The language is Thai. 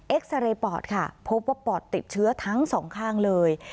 ซาเรย์ปอดค่ะพบว่าปอดติดเชื้อทั้งสองข้างเลย